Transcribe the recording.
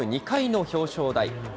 ２回の表彰台。